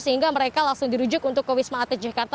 sehingga mereka langsung dirujuk untuk ke wisma atlet jakarta